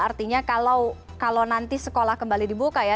artinya kalau nanti sekolah kembali dibuka ya